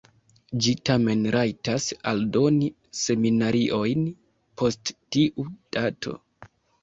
Ĝi tamen rajtas aldoni seminariojn post tiu dato.